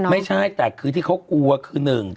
ไม่ใช่แต่คือที่เขากลัวคือหนึ่ง